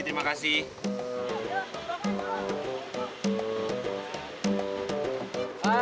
terima kasih pak